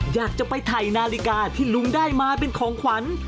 อยากจะไปถ่ายนาฬิกาที่ลุงได้มาเป็นของขวัญ